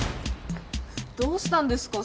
どうしたんですか？